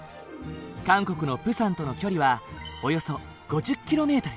韓国のプサンとの距離はおよそ５０ｋｍ。